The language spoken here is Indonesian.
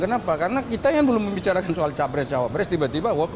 kenapa karena kita yang belum membicarakan soal capres cawapres tiba tiba